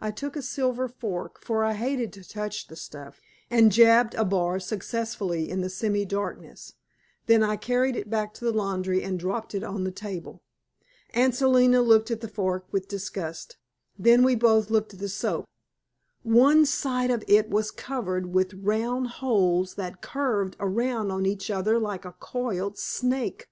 I took in a silver fork, for I hated to touch the stuff, and jabbed a bar successfully in the semi darkness. Then I carried it back to the laundry and dropped it on the table. Aunt Selina looked at the fork with disgust; then we both looked at the soap. ONE SIDE OF IT WAS COVERED WITH ROUND HOLES THAT CURVED AROUND ON EACH OTHER LIKE A COILED SNAKE.